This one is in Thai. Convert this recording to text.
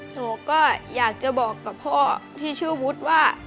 หนูก็อยากจะบอกกับพ่อที่ชื่อวุฒิว่า